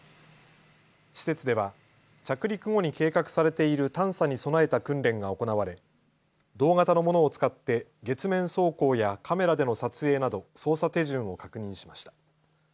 施設では着陸後に計画されている探査に備えた訓練が行われ同型のものを使って月面走行やカメラでの撮影など操作手順を確認しました。